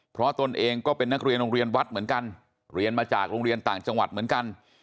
เพราะตนเองก็เป็นนักเรียนโรงเรียนวัดเหมือนกันเรียนมาจากโรงเรียนต่างจังหวัดเหมือนกัน